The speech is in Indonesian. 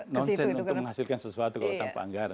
nonsen untuk menghasilkan sesuatu kalau tanpa anggaran